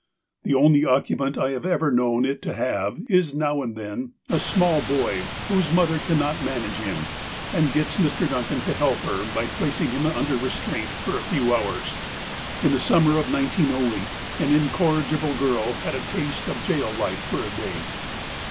The only occupant I have ever known it to have is now and then, a small boy, whose mother cannot manage him and gets Mr. Duncan to help her by placing him under restraTnt for a few hours. lu the Summer of 1908, an m corrio ible girl had a taste of jail life for a day.